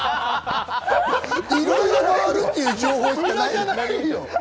いろいろ回るっていう情報しか。